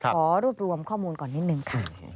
ขอรวบรวมข้อมูลก่อนนิดนึงค่ะ